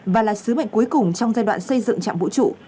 và là sứ mệnh cuối cùng trong giai đoạn xây dựng trạm vũ trụ